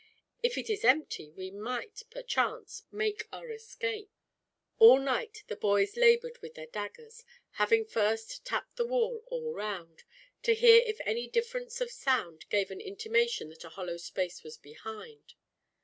If it is empty we might, perchance, make our escape." All night the boys labored with their daggers, having first tapped the wall all round, to hear if any difference of sound gave an intimation that a hollow space was behind.